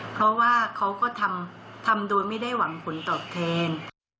เพราะว่าเขาก็ทำโดยไม่ได้หวังผลตอบแทน